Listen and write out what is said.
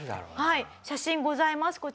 はい写真ございます。